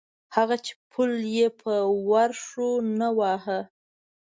هغه چې پل یې په ورشو نه واهه.